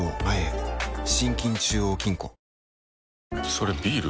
それビール？